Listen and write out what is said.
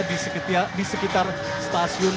di sekitar stasiun